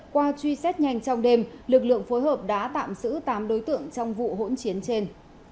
qua truy xét nhanh trong đêm lực lượng phối hợp đã tạm giữ tám đối tượng trong vụ hỗn chiến trên